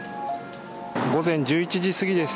午前１１時過ぎです。